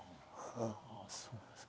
そうですか。